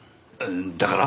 だから？